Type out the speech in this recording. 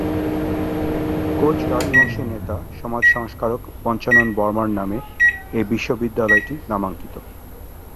Coach Rajbanshi নেতা য় সমাজ সংস্কারক পঞ্চানন বর্মার নামে এই বিশ্ববিদ্যালয়টি নামাঙ্কিত।